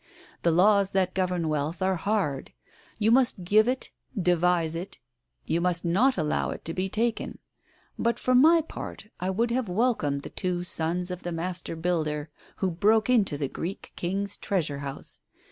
The laws that govern wealth are hard. You must give it, devise it, you must not allow it to be taken. But for my part I would have welcomed the two sons of the master builder who broke into the Greek King's Treasure House.